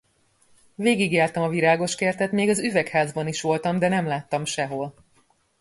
Végigjártam a virágoskertet, még az üvegházban is voltam, de nem láttam sehol.